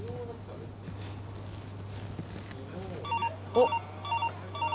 ☎おっ。